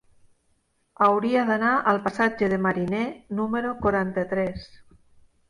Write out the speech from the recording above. Hauria d'anar al passatge de Mariné número quaranta-tres.